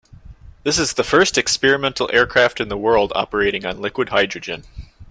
This is the first experimental aircraft in the world operating on liquid hydrogen.